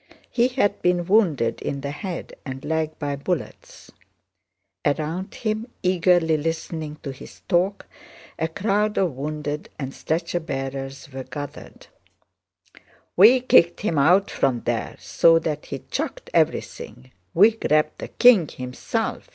He had been wounded in the head and leg by bullets. Around him, eagerly listening to his talk, a crowd of wounded and stretcher bearers was gathered. "We kicked him out from there so that he chucked everything, we grabbed the King himself!"